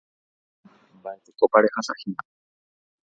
Mba'etekópa rehasahína.